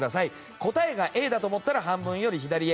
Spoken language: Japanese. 答えがＡだと思ったら半分より左へ。